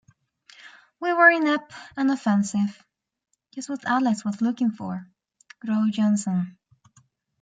"We were inept and offensive - just what Alex was looking for", wrote Johnson.